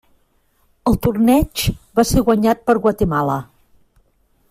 El torneig va ser guanyat per Guatemala.